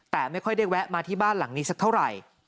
แต่ไม่ค่อยได้แวะมาที่บ้านหลังนี้สักเท่าไหร่